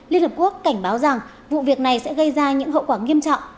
liên hợp quốc cảnh báo rằng vụ việc này sẽ gây ra những hậu quả nghiêm trọng